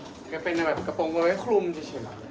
มันเป็นแบบกระโปรงไว้คลุมจริง